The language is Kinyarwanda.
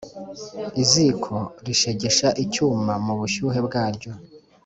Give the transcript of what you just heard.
Iziko rishegesha icyuma mu bushyuhe bwaryo,